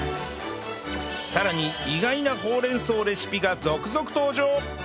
さらに意外なほうれん草レシピが続々登場！